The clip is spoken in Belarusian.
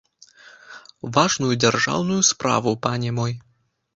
Важную дзяржаўную справу, пане мой!